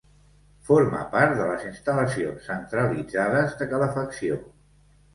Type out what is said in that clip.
Forma part de les instal·lacions centralitzades de calefacció.